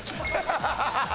ハハハハハ！